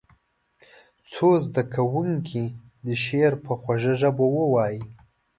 څو زده کوونکي دې شعر په خوږه ژبه ووایي.